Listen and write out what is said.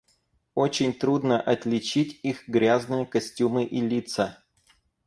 Очень трудно отличить их грязные костюмы и лица.